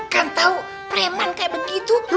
kalau ada yang dieser